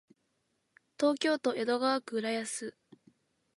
東京都江戸川区浦安